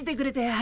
あ！